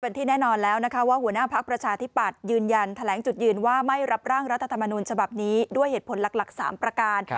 เป็นที่แน่นอนแล้วนะคะว่าหัวหน้าพักประชาธิปัตย์ยืนยันแถลงจุดยืนว่าไม่รับร่างรัฐธรรมนูญฉบับนี้ด้วยเหตุผลหลัก๓ประการ